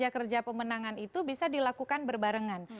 kerja kerja pemenangan itu bisa dilakukan berbarengan